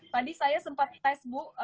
tadi saya sempat tes bu